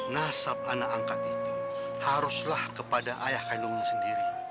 nasab anak angkat itu haruslah kepada ayah kandungnya sendiri